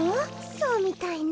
そうみたいね。